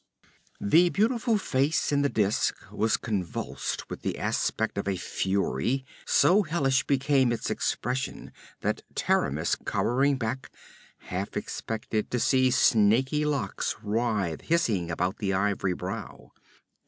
The beautiful face in the disk was convulsed with the aspect of a fury; so hellish became its expression that Taramis, cowering back, half expected to see snaky locks writhe hissing about the ivory brow.